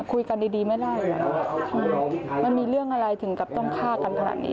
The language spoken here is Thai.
คุยกันดีไม่ได้มันมีเรื่องอะไรถึงกับต้องฆ่ากันขนาดนี้